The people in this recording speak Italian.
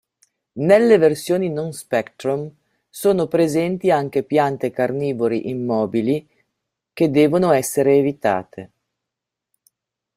Nelle versioni non Spectrum sono presenti anche piante carnivore immobili che devono essere evitate.